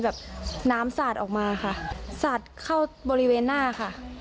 แฟนขับมอเซ้าหนีเลยค่ะ